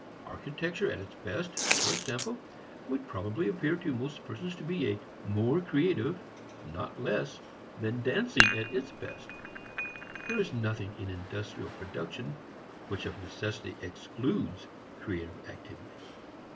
Architecture at its best, for example, would probably appear to most persons to be more creative, not less, than dancing at its best. There is nothing in industrial production which of necessity excludes creative activity.